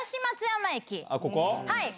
はい。